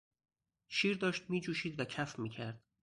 شیر داشت میجوشید و کف میکرد.